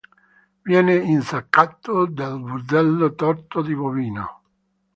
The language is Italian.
Viene insaccato nel budello torto di bovino.